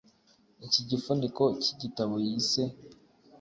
Iki gifuniko cy’igitabo yise